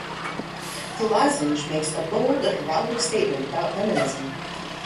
The lozenge makes a bold heraldic statement about feminism.